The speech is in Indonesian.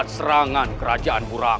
terk ngomong uber yang berkawan